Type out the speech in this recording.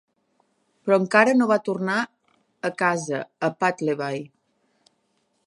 Però encara no va tornar a casa a Puddleby.